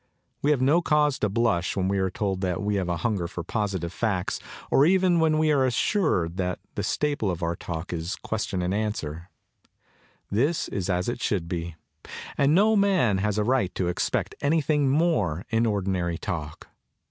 We have no cause to blush when we are told that we have a hunger for positive facts or even when we are assured that the staple of our talk is question and answer. 152 CONCERNING CONVERSATION This is as it should be; and no man has a right to expect anything more in ordinary talk.